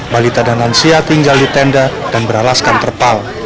balita dan lansia tinggal di tenda dan beralaskan terpal